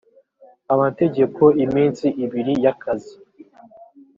amategeko iminsi ibiri y akazi